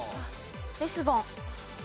リスボン。